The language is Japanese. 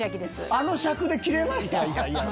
あの尺で着れました？